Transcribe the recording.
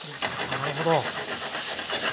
なるほど。